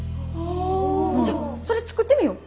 じゃあそれ作ってみよう。